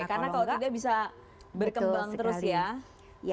karena kalau tidak bisa berkembang terus ya